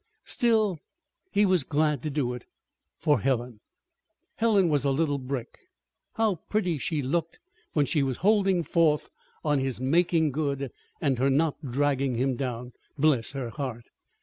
Still he was glad to do it for Helen. Helen was a little brick. How pretty she looked when she was holding forth on his "making good," and her not "dragging" him "down"! Bless her heart!